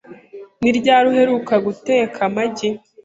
Ni ryari uheruka guteka amagi?